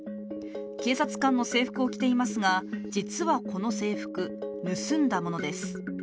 警察官の制服を着ていますが、実はこの制服、盗んだものです。